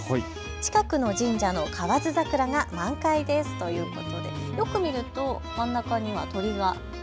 近くの神社の河津桜が満開ですということでよく見ると真ん中には鳥が。